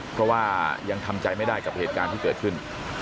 เพราะว่ายังทำใจไม่ได้กับเหตุการณ์ที่เกิดขึ้น